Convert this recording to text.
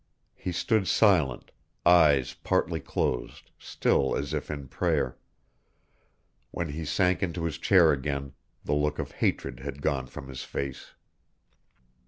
He stood silent, eyes partly closed, still as if in prayer. When he sank into his chair again the look of hatred had gone from his face.